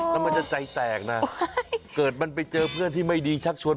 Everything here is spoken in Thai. แล้วมันจะใจแตกนะเกิดมันไปเจอเพื่อนที่ไม่ดีชักชวน